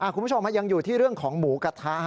คุณผู้ชมยังอยู่ที่เรื่องของหมูกระทะ